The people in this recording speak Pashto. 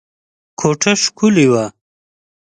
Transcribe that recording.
کوټه ښکلې وه.